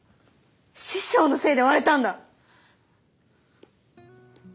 師匠のせいで割れたんだ！